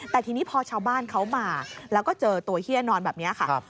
แต่ทีนี้พอชาวบ้านเขามาแล้วก็เจอตัวเฮียนอนแบบนี้ค่ะ